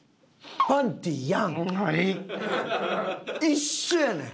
一緒やねん。